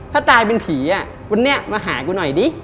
ถ้าตายเป็นผีกูเนี่ยมาหากูหน่อยดิ